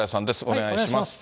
お願いします。